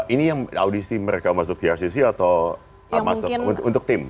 ini yang audisi mereka masuk trcc atau masuk untuk tim